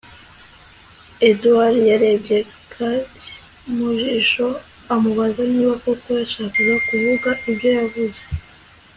Edward yarebye Kathy mu jisho amubaza niba koko yashakaga kuvuga ibyo yavuze